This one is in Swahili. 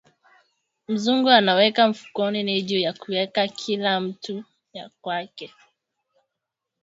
Muzungu anaweka mufuko niju yakuweka kila mutu yakwake